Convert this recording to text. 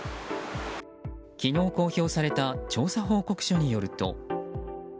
昨日公表された調査報告書によると。